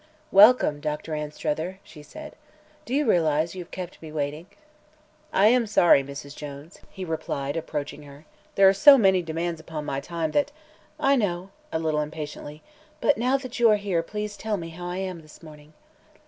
"Welcome, Doctor Anstruther," she said. "Do you realize you have kept me waiting?" "I am sorry, Mrs. Jones," he replied, approaching her. "There are so many demands upon my time that " "I know," a little impatiently; "but now that you are here please tell me how I am this morning."